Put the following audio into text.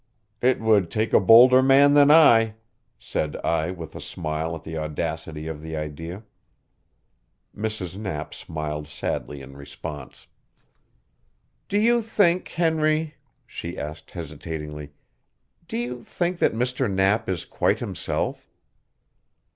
"It would take a bolder man than I," said I with a smile at the audacity of the idea. Mrs. Knapp smiled sadly in response. "Do you think, Henry," she asked hesitatingly, "do you think that Mr. Knapp is quite himself?"